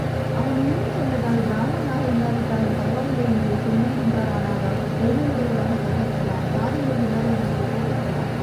அவன் உண்மை சொன்னதால் பிராமணனாக இல்லாவிட்டாலும் பரவாயில்லை என்று சொல்லியிருந்தாரானால் அவர் பெருமையுடையவராகக் கருதப்படலாம் சாதியுணர்வு இல்லாதவரென்று போற்றப்படலாம்.